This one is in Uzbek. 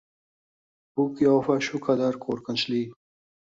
Bu qiyofa shu qadar qo’rqinchli.